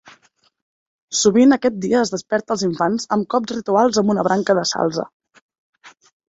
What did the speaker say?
Sovint aquest dia es desperta els infants amb cops rituals amb una branca de salze.